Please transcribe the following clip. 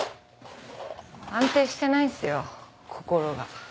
安定してないんすよ心が。